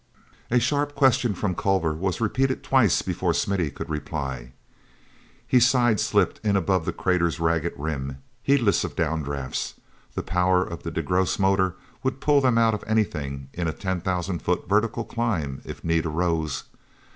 A sharp question from Culver was repeated twice before Smithy could reply. He side slipped in above the crater's ragged rim, heedless of down drafts—the power of the DeGrosse motor would pull them out of anything in a ten thousand foot vertical climb if need arose.